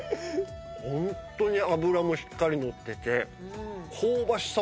ホントに脂もしっかりのってて香ばしさもすごい。